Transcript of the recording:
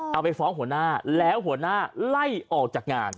เอาไปฟ้องหัวหน้าแล้วหัวหน้าไล่ออกจากงาน